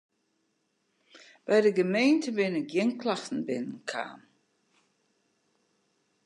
By de gemeente binne gjin klachten binnen kaam.